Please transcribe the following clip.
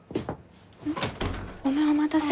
ごめんお待たせ。